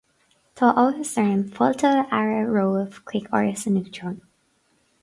Tá áthas orm fáilte a fhearadh romhaibh chuig Áras an Uachtaráin